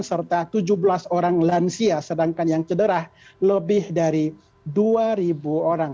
serta tujuh belas orang lansia sedangkan yang cederah lebih dari dua orang